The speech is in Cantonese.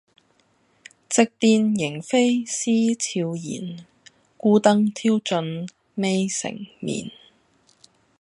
夕殿螢飛思悄然，孤燈挑盡未成眠。